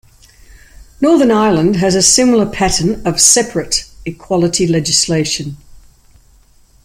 Northern Ireland has a similar pattern of 'separate' equality legislation.